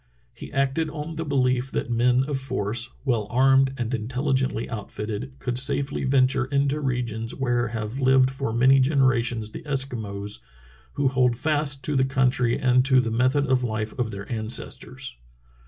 He acted on the beUef that men of force, well armed and intelligently outfitted, could safely venture into regions where have lived for many generations the Eskimos, who hold fast to the country and to the method of life of their ancestors.